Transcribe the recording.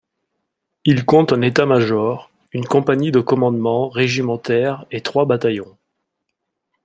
Il compte un état-major, une compagnie de commandement régimentaire et trois bataillons.